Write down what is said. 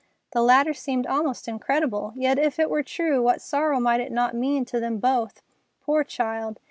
The latter seemed almost incredible, yet if it were true, what sorrow might it not mean to them both! Poor child!